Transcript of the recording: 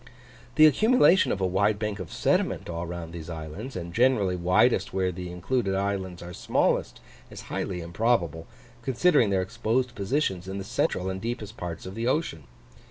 The accumulation of a wide bank of sediment all round these islands, and generally widest where the included islands are smallest, is highly improbable, considering their exposed positions in the central and deepest parts of the ocean.